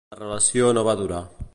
La relació no va durar.